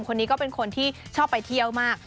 คนนี้ก็เป็นคนที่ชอบไปเที่ยวมาก